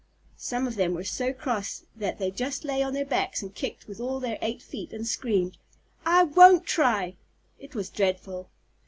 Some of them were so cross that they just lay on their backs and kicked with all their eight feet, and screamed, "I won't try!" It was dreadful!